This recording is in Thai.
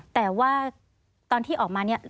แต่ว่าตอนที่ออกมาเนี่ย